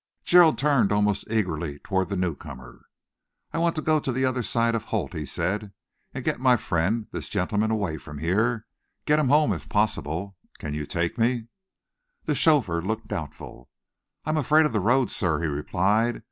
Gerald turned almost eagerly towards the newcomer. "I want to go to the other side of Holt," he said, "and get my friend get this gentleman away from here get him home, if possible. Can you take me?" The chauffeur looked doubtful. "I'm afraid of the roads, sir," he replied.